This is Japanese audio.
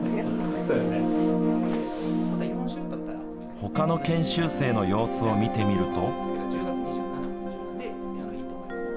ほかの研修生の様子を見てみると。